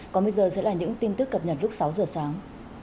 còn bây giờ sẽ là những tin tức cập nhật lúc sáu giờ sáng